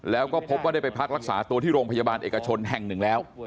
แล้วก็พบว่าได้ไปพักรักษาตัวที่โรงพยาบาลเอกชนแห่งหนึ่งแล้ว